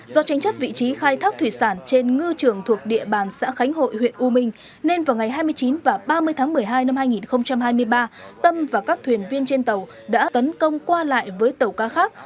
vào tháng chín và ba mươi tháng một mươi hai năm hai nghìn hai mươi ba tâm và các thuyền viên trên tàu đã tấn công qua lại với tàu cá khác